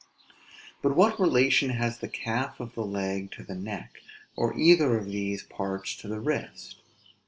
But what relation has the calf of the leg to the neck; or either of these parts to the wrist?